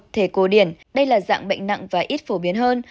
một thể cổ điển đây là dạng bệnh nặng và ít phổ biến hơn